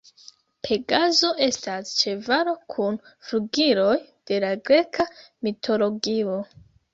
Pegazo estas ĉevalo kun flugiloj de la greka mitologio.